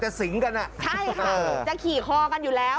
ใช่ค่ะจะขี่คอกันอยู่แล้ว